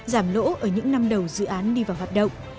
giảm lỗ ở những năm đầu dự án đi vào hoạt động